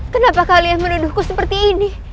kenapa kalian menuduhku seperti ini